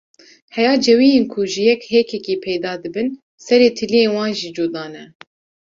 Heya cêwiyên ku ji yek hêkekî peyda dibin, serê tiliyên wan jî cuda ne!